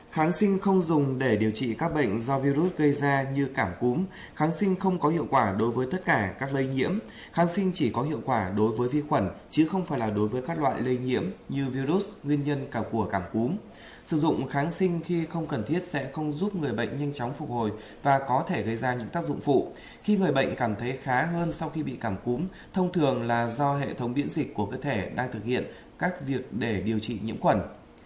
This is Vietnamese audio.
một kháng sinh không dùng để điều trị các bệnh do virus gây ra như cảm cúm kháng sinh không có hiệu quả đối với tất cả các lây nhiễm kháng sinh chỉ có hiệu quả đối với vi khuẩn chứ không phải là đối với các loại lây nhiễm như virus nguyên nhân cả của cảm cúm sử dụng kháng sinh khi không cần thiết sẽ không giúp người bệnh nhanh chóng phục hồi và có thể gây ra những tác dụng phụ khi người bệnh cảm thấy khá hơn sau khi bị cảm cúm thông thường là do hệ thống biễn dịch của cơ thể đang thực hiện các việc để điều trị nhiễm quẩn